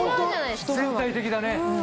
全体的だね。